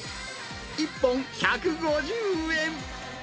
１本１５０円。